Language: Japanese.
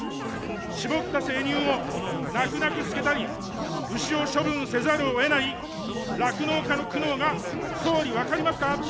搾った生乳を泣く泣く捨てたり、牛を処分せざるをえない酪農家の苦悩が総理、分かりますか。